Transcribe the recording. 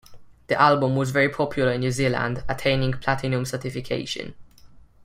The album was very popular in New Zealand, attaining platinum certification.